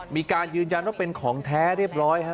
มีการยืนยันว่าเป็นของแท้เรียบร้อยฮะ